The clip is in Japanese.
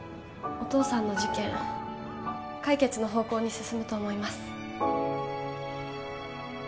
お父さんの事件解決の方向に進むと思います